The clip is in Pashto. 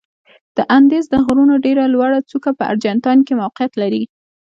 د اندیز د غرونو ډېره لوړه څوکه په ارجنتاین کې موقعیت لري.